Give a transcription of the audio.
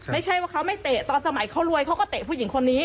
ไม่ใช่ว่าเขาไม่เตะตอนสมัยเขารวยเขาก็เตะผู้หญิงคนนี้